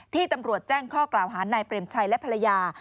ตำรวจแจ้งข้อกล่าวหานายเปรมชัยและภรรยา